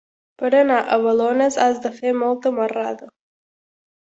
Per anar a Balones has de fer molta marrada.